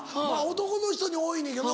男の人に多いねんけど。